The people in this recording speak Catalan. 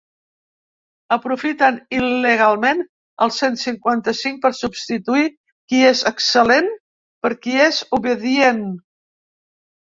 Aprofiten il·legalment el cent cinquanta-cinc per substituir qui és excel·lent per qui és obedient.